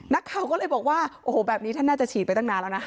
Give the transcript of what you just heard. นักข่าวก็เลยบอกว่าโอ้โหแบบนี้ท่านน่าจะฉีดไปตั้งนานแล้วนะ